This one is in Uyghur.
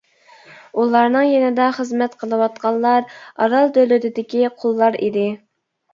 ئۇلارنىڭ يېنىدا خىزمەت قىلىۋاتقانلار ئارال دۆلىتىدىكى قۇللار ئىدى.